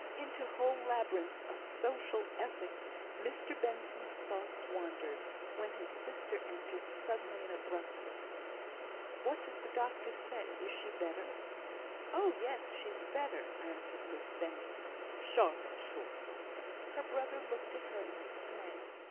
Into whole labyrinths of social ethics Mr Benson's thoughts wandered, when his sister entered suddenly and abruptly. "What does the doctor say? Is she better?" "Oh, yes! she's better," answered Miss Benson, sharp and short. Her brother looked at her in dismay.